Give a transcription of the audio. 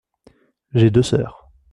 J’ai deux sœurs.